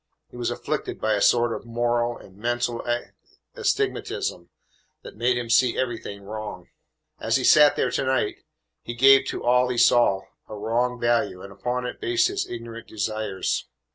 He was afflicted by a sort of moral and mental astigmatism that made him see everything wrong. As he sat there to night, he gave to all he saw a wrong value and upon it based his ignorant desires.